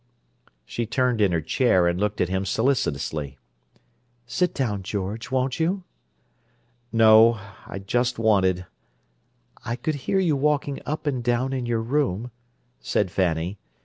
She turned in her chair and looked at him solicitously. "Sit down, George, won't you?" "No. I just wanted—" "I could hear you walking up and down in your room," said Fanny.